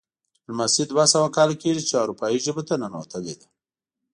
ډیپلوماسي دوه سوه کاله کیږي چې اروپايي ژبو ته ننوتلې ده